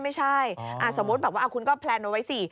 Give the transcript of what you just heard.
ไม่ใช่สมมุติแบบว่าคุณก็แพลนเอาไว้สิ